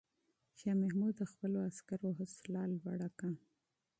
شاه محمود د خپلو عسکرو حوصله لوړه کړه.